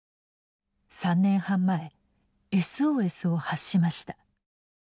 ３年半前ＳＯＳを発しました。